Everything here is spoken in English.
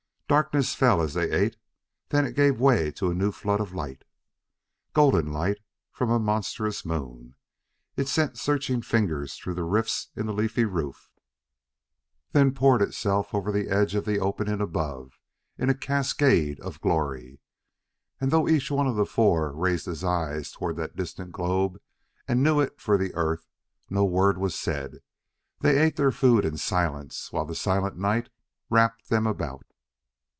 Darkness fell as they ate; then it gave way to a new flood of light. Golden light from a monstrous moon! It sent searching fingers through rifts in the leafy roof, then poured itself over the edge of the opening above in a cascade of glory. And, though each one of the four raised his eyes toward that distant globe and knew it for the Earth, no word was said; they ate their food in silence while the silent night wrapped them about.